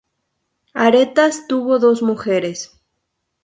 Aretas tuvo dos mujeres.